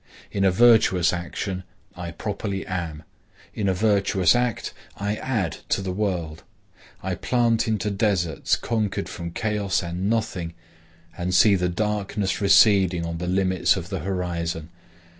In a virtuous action I properly am; in a virtuous act I add to the world; I plant into deserts conquered from Chaos and Nothing and see the darkness receding on the limits of the horizon.